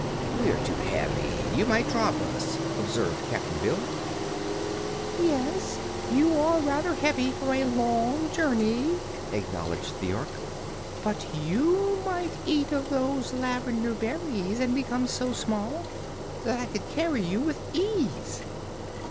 "We are too heavy; you might drop us," objected Cap'n Bill. "Yes, you are rather heavy for a long journey," acknowledged the Ork, "but you might eat of those lavender berries and become so small that I could carry you with ease."